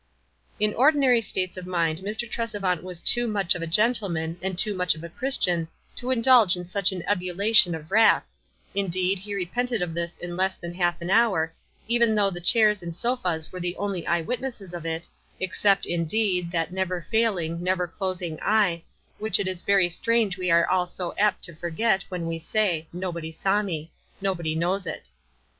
In ordinary states of mind Mr. Tresevant was' too much of a gentleman, and too much of a Christian, to indulge iu such an ebullition of wrath, — indeed, he repented of this in less than half an hour, even though the chairs and sofas were the only eye witnesses of it, except, in deed, that never failing, never closing Eye, which it is very strange we 'are all so apt to forget, when we say, "Nobody saw me," "No body knows it."